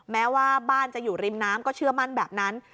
แม้ว่าบ้านจะอยู่ริมน้ำก็เชื่อมั่นแบบนั้น